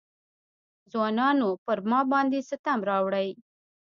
ځوانانو پر ما باندې ستم راوړی.